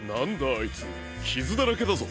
あいつきずだらけだぞ。